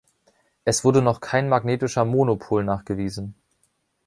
Es wurde noch kein magnetischer Monopol nachgewiesen.